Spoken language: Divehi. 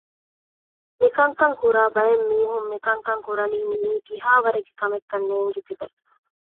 މިކަންކަން ކުރާ ބައެއް މީހުން މިކަންކަން ކުރަނީ މިއީ ކިހާވަރެއްގެ ކަމެއްކަން ނޭނގި ތިބޭ